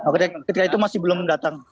ketika itu masih belum datang